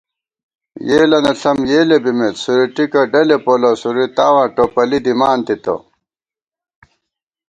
یېلَنہ ݪم یېلےبِمېت، سورِٹکہ ڈلےپولہ سُوری تاواں ٹوپَلی دِمان تِتہ